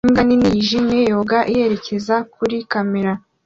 Imbwa nini yijimye yoga yerekeza kuri kamera